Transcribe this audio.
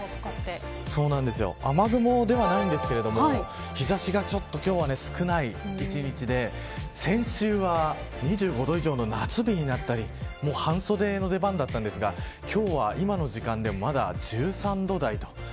雨雲ではないんですけど日差しがちょっと今日は少ない一日で先週は２５度以上の夏日になったりもう半袖の出番だったんですが今日は今の時間でもまだ１３度台と。